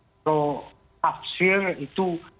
kalau aksirnya itu